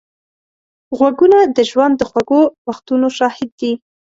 غوږونه د ژوند د خوږو وختونو شاهد دي